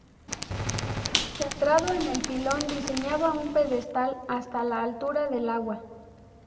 Centrado en el pilón diseñaba un pedestal hasta la altura del agua.